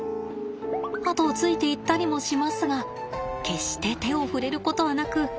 後をついていったりもしますが決して手を触れることはなく。